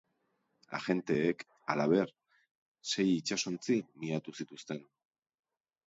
Agenteek, halaber, sei itsasontzi miatu zituzten.